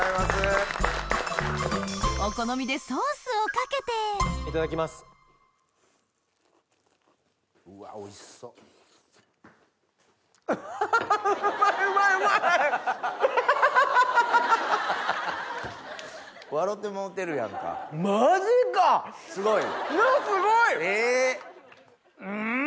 すごいん？